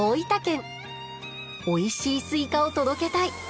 おいしいスイカを届けたい。